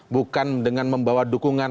bukan dengan membawa dukungan